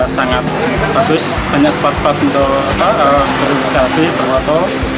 sangat bagus banyak spot spot untuk berselfie berfoto